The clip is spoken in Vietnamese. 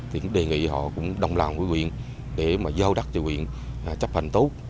thì cũng đề nghị họ cũng đồng lòng với quyền để mà giao đắc cho quyền chấp hành tốt